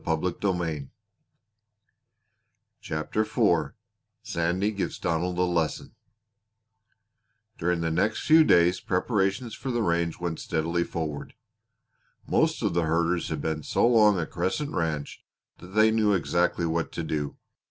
CHAPTER IV SANDY GIVES DONALD A LESSON During the next few days preparations for the range went steadily forward. Most of the herders had been so long at Crescent Ranch that they knew exactly what to do.